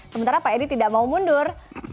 sementara pak edi tidak mau mundur